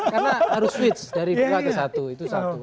karena harus switch dari dua ke satu itu satu